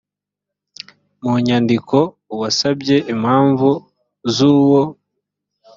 mu nyandiko uwasabye impamvu z’uwo